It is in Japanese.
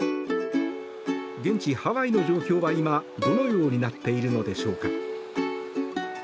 現地ハワイの状況は今どのようになっているのでしょうか。